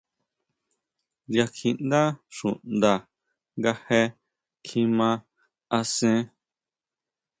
Nya kjiʼndá xuʼnda nga je kjima asen.